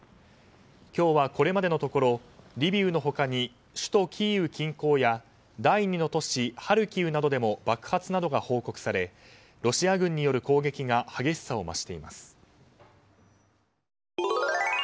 今日はこれまでのところリビウの他に首都キーウ近郊や第２の都市ハルキウなどでも爆発などが報告されロシア軍による攻撃が激しさを増しています。